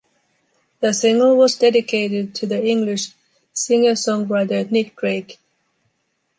The single was dedicated to the English singer-songwriter Nick Drake.